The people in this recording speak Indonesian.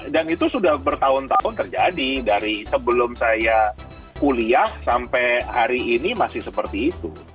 dan itu sudah bertahun tahun terjadi dari sebelum saya kuliah sampai hari ini masih seperti itu